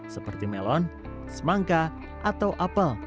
seperti melon semangka atau apel